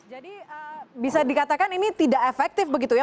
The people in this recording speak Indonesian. jadi bisa dikatakan ini tidak efektif begitu ya